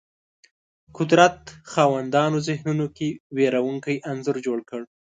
قدرت خاوندانو ذهنونو کې وېرونکی انځور جوړ کړ